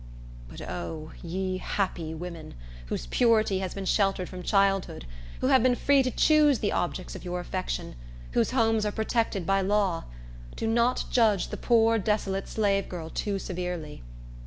But, O, ye happy women, whose purity has been sheltered from childhood, who have been free to choose the objects of your affection, whose homes are protected by law, do not judge the poor desolate slave girl too severely!